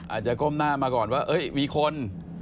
อาจจะก้มหน้ามาก่อนว่าเอ้ยมีคน